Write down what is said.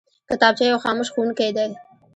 کتابچه یو خاموش ښوونکی دی